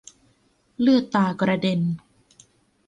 เลือดตากระเด็น